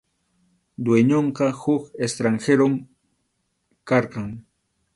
Dueñonqa huk extranjerom karqan.